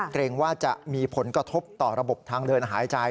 เกรงว่าจะมีผลกระทบต่อระบบทางเดินหายใจ